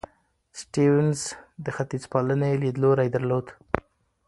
سټيونز د ختیځپالنې لیدلوری درلود.